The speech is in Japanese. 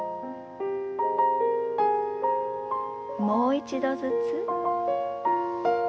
もう一度ずつ。